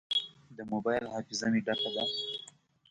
د موبایل حافظه مې ډکه ده.